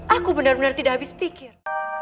aku benar benar tidak habis pikir